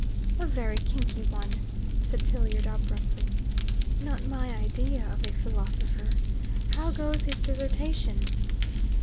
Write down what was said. "A very kinky one," said Tilliard abruptly. "Not my idea of a philosopher. How goes his dissertation?"